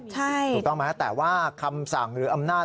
ถูกต้องไหมแต่ว่าคำสั่งหรืออำนาจ